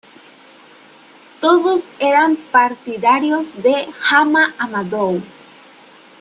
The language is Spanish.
Todos eran partidarios de Hama Amadou.